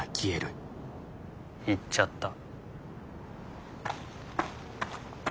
逝っちゃった。